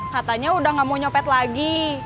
katanya udah gak mau nyopet lagi